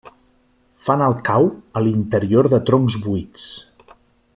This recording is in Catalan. Fan el cau a l'interior de troncs buits.